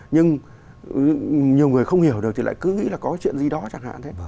nhưng nhiều người không hiểu được thì lại cứ nghĩ là có chuyện gì đó chẳng hạn thế